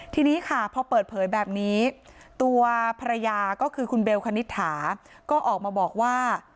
ทีนี้ค่ะพอเปิดเผยแบบนี้ตัวภรรยาก็คือคุณเบลคณิตถาก็ออกมาบอกว่า